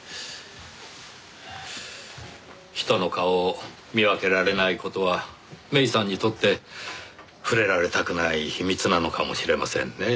人の顔を見分けられない事は芽依さんにとって触れられたくない秘密なのかもしれませんねぇ。